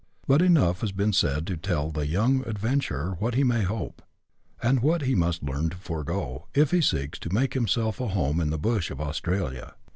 But enough has been said to tell the young adventurer what he may hope, and what he must learn to forego, if he seeks to make himself a home in the bush of Australia.